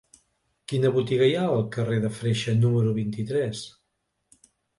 Quina botiga hi ha al carrer de Freixa número vint-i-tres?